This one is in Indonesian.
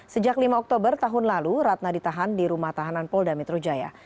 sejak lima oktober tahun lalu ratna ditahan di rumah tahanan polda metro jaya